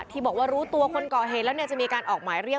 ที่บอกว่ารู้ตว่าคนก่อเหตุแล้วจะมีออกหมายเรียก